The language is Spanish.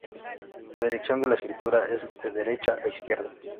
La dirección de la escritura es de derecha a izquierda.